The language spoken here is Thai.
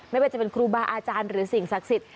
ไม่ว่าจะเป็นครูบาอาจารย์หรือสิ่งศักดิ์สิทธิ